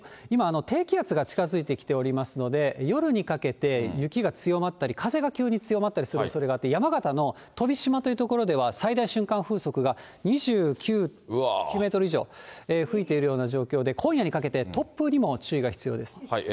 今、低気圧が近づいてきておりますので、夜にかけて雪が強まったり、風が急に強まったりするおそれがあって、山形のとびしまという所では、最大瞬間風速が２９メートル以上吹いているような状況で、今夜にかけて突風にも注意が必要です。